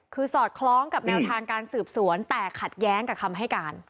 คือสอดคล้องกับแนวทางการสืบสวนแต่ขัดแย้งกับคำให้การ